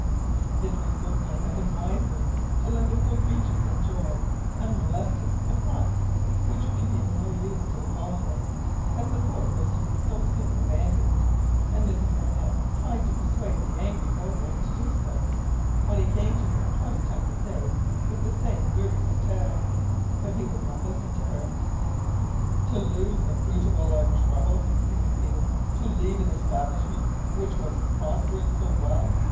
It would certainly have been wiser to let the poor creatures enjoy unmolested the crops which could be of no use to the colonists, as the fort was to be so soon abandoned, and Mrs Barnett tried to persuade the angry Corporal to do so, when he came to her twenty times a day with the same wearisome tale, but he would not listen to her: "To lose the fruit of all our trouble!" he repeated; "to leave an establishment which was prospering so well!